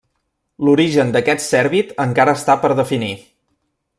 L’origen d’aquest cèrvid encara està per definir.